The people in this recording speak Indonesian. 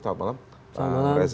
selamat malam reza